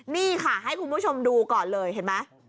นี่ค่ะให้คุณผู้ชมดูก่อนเลยเห็นไหม